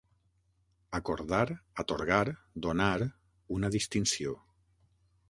Acordar, atorgar, donar, una distinció.